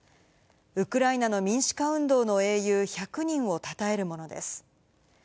ウクライナの民主化運動の英雄１００人をたたえるものです。